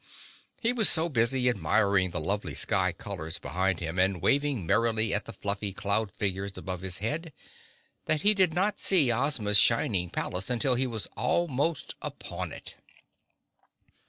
He was so busy admiring the lovely sky colors behind him and waving merrily at the fluffy cloud figures above his head, that he did not see Ozma's shining palace until he was almost upon it.